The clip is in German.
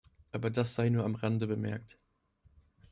Aber das sei nur am Rande bemerkt.